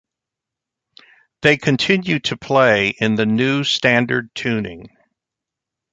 They continue to play in the New Standard Tuning.